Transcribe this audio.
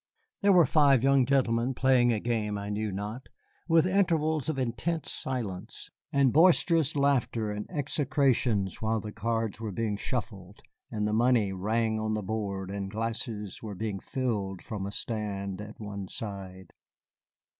There were five young gentlemen playing a game I knew not, with intervals of intense silence, and boisterous laughter and execrations while the cards were being shuffled and the money rang on the board and glasses were being filled from a stand at one side.